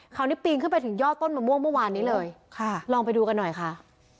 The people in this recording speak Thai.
ปีนขึ้นไปถึงย่อต้นมะม่วงเมื่อวานนี้เลยค่ะลองไปดูกันหน่อยค่ะ